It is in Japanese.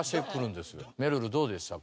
めるるどうでしたか？